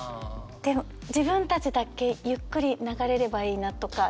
自分たちだけゆっくり流れればいいなとか。